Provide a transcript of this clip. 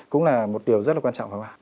cũng là một điều rất là quan trọng không ạ